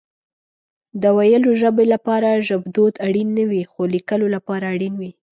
د ويلو ژبه لپاره ژبدود اړين نه وي خو ليکلو لپاره اړين وي